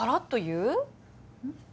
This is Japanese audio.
うん？